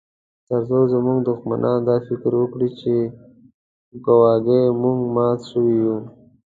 ترڅو زموږ دښمنان دا فکر وکړي چې ګواکي موږ مات شوي یو